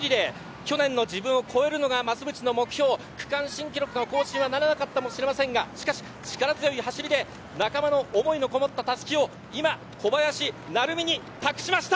去年の自分を越えるのが増渕の目標の区間新更新はならなかったかもしれませんがしかし、いつか力強いはしりで仲間の強い思いがこもったたすきを小林に託しました。